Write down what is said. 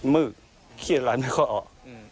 มืดเครียดอะไรไม่ค่อยออก